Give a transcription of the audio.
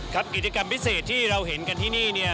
ครับกิจกรรมพิเศษที่เราเห็นกันที่นี้